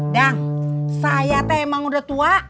dah saya teh emang udah tua